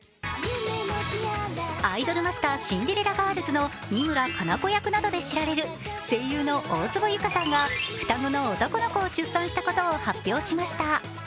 「アイドルマスターシンデレラガールズ」の三村かな子役などで知られる声優の大坪由佳さんが双子の男の子を出産したことを発表しました。